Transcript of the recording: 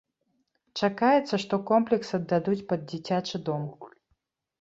Чакаецца, што комплекс аддадуць пад дзіцячы дом.